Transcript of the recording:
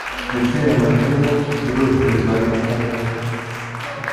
Gutera amacumu ku ruzi rwa Nyakarenga